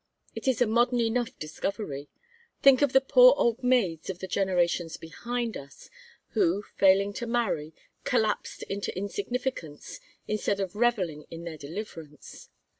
It is a modern enough discovery. Think of the poor old maids of the generations behind us, who, failing to marry, collapsed into insignificance instead of revelling in their deliverance.